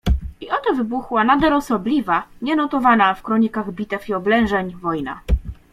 "I oto wybuchła nader osobliwa, nienotowana w kronikach bitew i oblężeń, wojna."